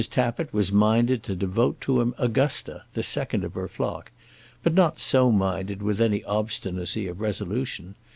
Tappitt was minded to devote to him Augusta, the second of her flock, but not so minded with any obstinacy of resolution.